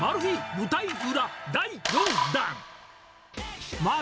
舞台裏第４弾。